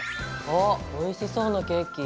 あっおいしそうなケーキ。